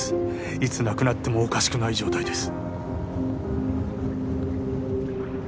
いつ亡くなってもおかしくない状態です